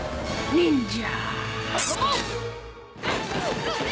忍者。